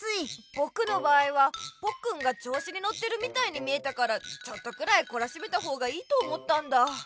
僕の場合はポッくんがちょうしにのってるみたいに見えたからちょっとくらいこらしめたほうがいいと思ったんだ。